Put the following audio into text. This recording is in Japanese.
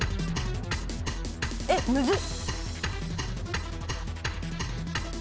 えっ⁉むずっ！